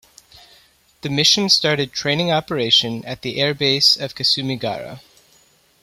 The Mission started training operation at the air base of Kasumigaura.